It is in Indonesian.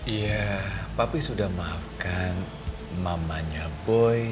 ya papi sudah maafkan mamanya boy